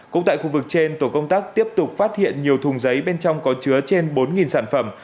cũng tại khu vực trên tổ công tác tiếp tục phát hiện nhiều thùng giấy bên trong có chứa trên bốn sản phẩm